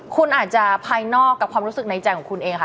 คุณอาจจะภายนอกกับความรู้สึกในใจของคุณเองค่ะ